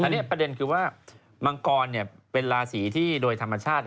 อันนี้ประเด็นคือว่ามังกรเป็นราศีที่โดยธรรมชาติ